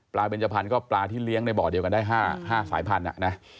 ปลาเบรนจพรรณก็ปลาที่เลี้ยงในบ่อเดียวกันได้๕ฝ่ายพันธุ์